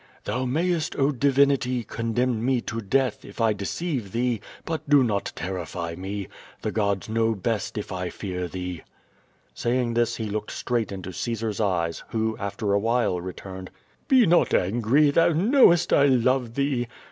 "Thou mayest, oh, divinity, condemn me to death, if I de ceive thee, but do not terrify me. The gods know best if I fear thee." Saying this he looked straight into Caesar's eyes, who, after a while, returned: "Be not angry, thou knowest that I love thee."